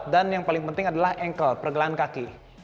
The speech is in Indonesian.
dan yang paling penting adalah ankle pergelangan kaki